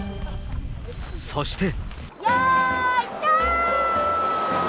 そして。